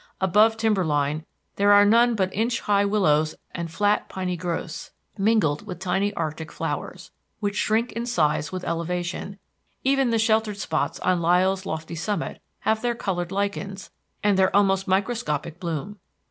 Above timber line there are none but inch high willows and flat, piney growths, mingled with tiny arctic flowers, which shrink in size with elevation; even the sheltered spots on Lyell's lofty summit have their colored lichens, and their almost microscopic bloom.